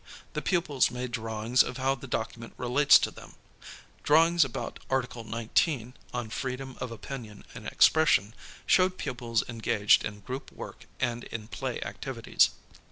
The pupils made drawings of how the document relates to them. Drawings about article 19. on freedom of opinion and expression, showed pupils engaged in group work and in play activities.